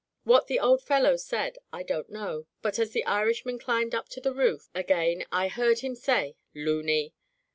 What the old fellow said I don't know, but as the Irishman climbed up to the roof again, I heard him say, *Looney!'